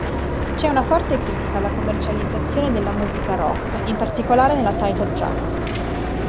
C'è una forte critica alla commercializzazione della musica rock, in particolare nella title track.